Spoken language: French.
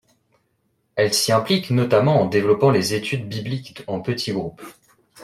Elle s'y implique notamment en développant les études bibliques en petits groupes.